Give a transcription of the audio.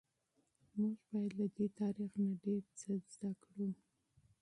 موږ باید له دې تاریخ نه ډیر څه زده کړو.